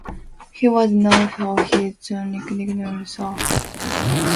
He was known for his tenacious rebounding and blue-collar defense.